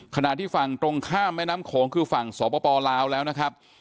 ขณะที่ฝั่งตรงข้ามแม่น้ำโขงคือฝั่งสปลาวแล้วนะครับ